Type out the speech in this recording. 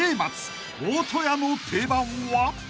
［大戸屋の定番は？］